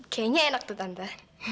kayaknya enak tuh tante